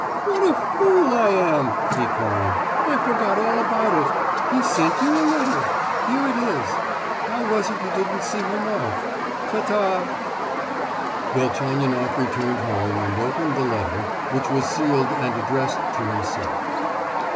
"What a fool I am!" he cried, "I forgot all about it—he sent you a letter. Here it is. How was it you didn't see him off? Ta ta!" Velchaninoff returned home and opened the letter, which was sealed and addressed to himself.